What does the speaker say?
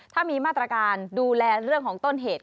ถ้ามีมาตรการดูแลเรื่องของต้นเหตุ